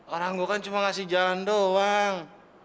orang gue kan cuma ngasih jalan doang